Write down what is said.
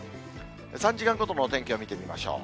３時間ごとのお天気を見てみましょう。